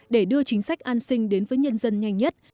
để đưa chính sách an sinh đến với nhân dân nhanh nhất